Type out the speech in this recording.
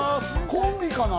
コンビかな？